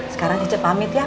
sekarang cece pamit ya